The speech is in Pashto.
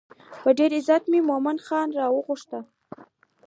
په ډېر عزت یې مومن خان راوغوښت.